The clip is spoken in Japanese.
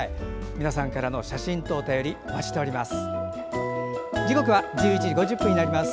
皆さんからの写真とお便りお待ちしております。